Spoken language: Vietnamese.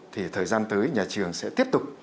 thì thời gian tới nhà trường sẽ tiếp tục